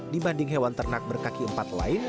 dibanding hewan ternak berkaki empat lain